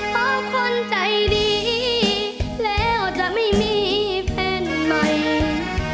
เพราะคนใจดีแล้วจะไม่มีแฟนใหม่